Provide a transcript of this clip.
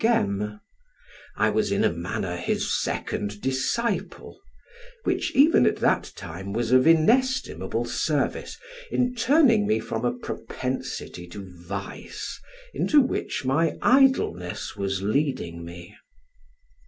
Gaime. I was in a manner his second disciple, which even at that time was of inestimable service in turning me from a propensity to vice into which my idleness was leading me.